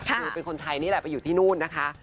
คือเป็นคนไทยนี่แหละไปอยู่ที่นู่นนะคะ